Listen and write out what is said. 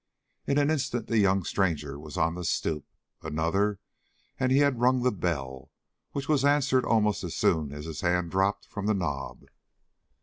In an instant the young stranger was on the stoop. Another, and he had rung the bell, which was answered almost as soon as his hand dropped from the knob.